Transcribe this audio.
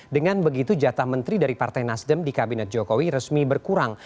dengan begitu jatah menteri dari partai nasdem di kabinet jokowi resmi berkurang